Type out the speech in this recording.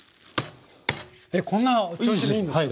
えこんな調子でいいんですか？